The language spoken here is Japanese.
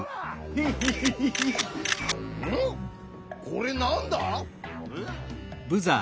これなんだ？えっ？